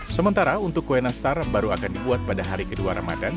sementara untuk kue nastar baru akan dibuat pada hari kedua ramadan